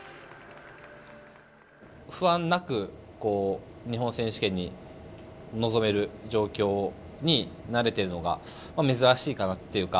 不安なく日本選手権に臨める状況になれてるのが珍しいかなっていうか